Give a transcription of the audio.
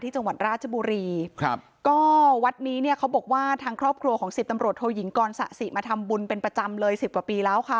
จังหวัดราชบุรีครับก็วัดนี้เนี่ยเขาบอกว่าทางครอบครัวของสิบตำรวจโทยิงกรสะสิมาทำบุญเป็นประจำเลยสิบกว่าปีแล้วค่ะ